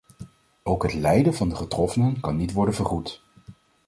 Ook het lijden van de getroffenen kan niet worden vergoed.